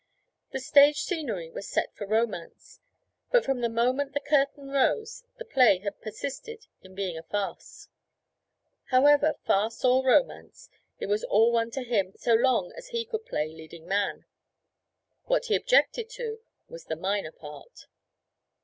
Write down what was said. The stage scenery was set for romance, but from the moment the curtain rose the play had persisted in being farce. However, farce or romance, it was all one to him so long as he could play leading man; what he objected to was the minor part.